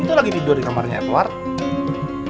itu lagi tidur di kamarnya edward